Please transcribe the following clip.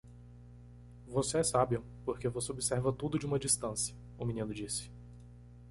"Você é sábio? porque você observa tudo de uma distância?" o menino disse.